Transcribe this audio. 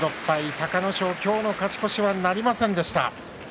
隆の勝、今日の勝ち越しはなりませんでした。